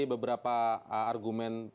ada beberapa argumen